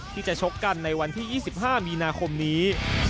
ชกกันในวันที่๒๕มีนาคมนี้